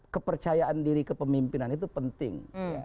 kepercayaan diri kepemimpinan itu penting